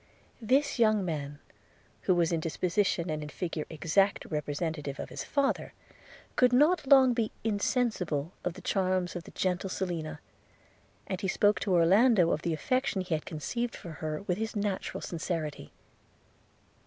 This young man, who was in disposition and in figure the exact representative of his father, could not long be insensible of the charms of the gentle Selina; and he spoke to Orlando of the affection he had conceived for her, with his natural sincerity.